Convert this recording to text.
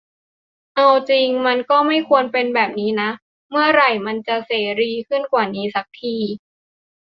เอาจริงมันก็ไม่ควรเป็นแบบนี้นะ เมื่อไหร่มันจะเสรีขึ้นกว่านี้สักที